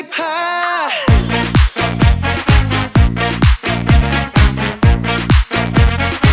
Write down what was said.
แบบปะกริกด้วยแบบปะปะปะ